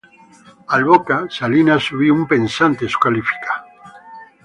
Al Boca, Salinas subì una pesante squalifica.